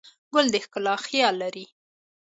ګل د ښکلا خیال لري.